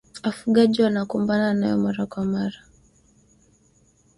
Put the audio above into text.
wafugaji wanakumbana nayo mara kwa mara